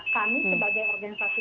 kami sebagai organisasi